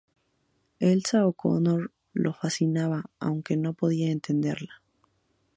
Elsa O'Connor lo fascinaba aunque no podía entenderla.